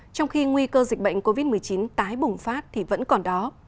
trong khi nguy cơ dịch bệnh covid một mươi chín tái bùng phát thì vẫn còn đó